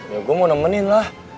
ya gue mau nemenin lah